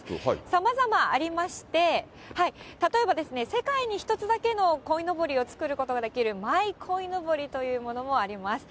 さまざまありまして、例えば、世界に１つだけのこいのぼりを作ることができる、マイこいのぼりというものもあります。